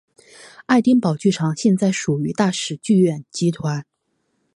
爱丁堡剧场现在属于大使剧院集团。